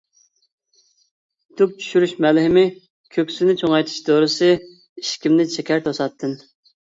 تۈك چۈشۈرۈش مەلھىمى كۆكسىنى چوڭايتىش دورىسى ئىشىكىمنى چېكەر توساتتىن.